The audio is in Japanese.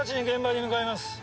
現場に向かいます。